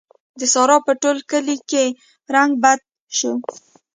د سارا په ټول کلي کې رنګ بد شو.